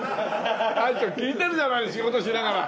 大将聞いてるじゃない仕事しながら。